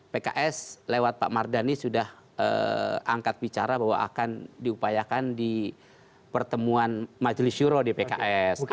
pks lewat pak mardhani sudah angkat bicara bahwa akan diupayakan di pertemuan majelis juro di pks